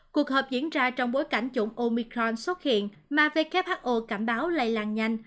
cuộc hợp diễn ra trong bối cảnh chủng omicron xuất hiện mà who cảm báo lây làng nhanh